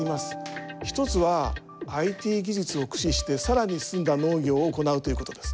１つはＩＴ技術を駆使してさらに進んだ農業を行うということです。